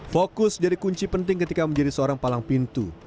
fokus jadi kunci penting ketika menjadi seorang palang pintu